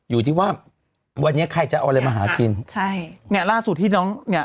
อยู่ที่ว่าวันนี้ใครจะเอาอะไรมาหากินใช่เนี่ยล่าสุดที่น้องเนี้ย